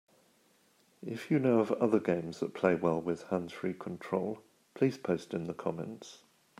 If you know of other games that play well with hands-free control, please post in the comments.